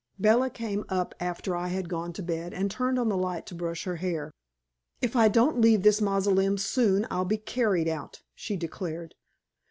Bella came up after I had gone to bed, and turned on the light to brush her hair. "If I don't leave this mausoleum soon, I'll be carried out," she declared.